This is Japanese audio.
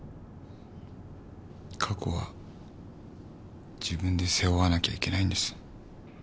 過去は自分で背負わなきゃいけないんです。